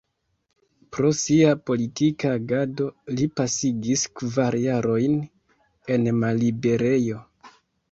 Pro sia politika agado, li pasigis kvar jarojn en malliberejo.